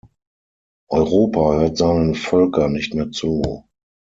Europa hört seinen Völkern nicht mehr zu.